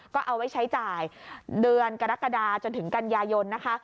ก็เอาไว้ใช้จ่ายเดือนกรกฎาจนถึงกันยายนนะคะ